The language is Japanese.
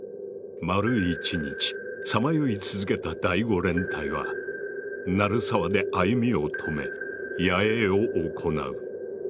丸一日さまよい続けた第５連隊は鳴沢で歩みを止め野営を行う。